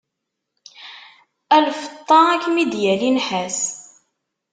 A lfeṭṭa, ad kem-id-yali nnḥas.